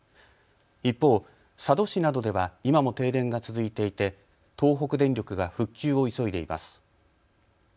一方、佐渡市などでは今も停電が続いていて東北電力が復旧を急いでいます。